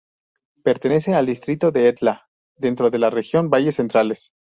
Pertenece al distrito de Etla, dentro de la región valles centrales.